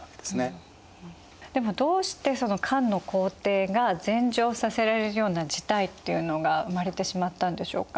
でもどうしてその漢の皇帝が禅譲させられるような事態っていうのが生まれてしまったんでしょうか？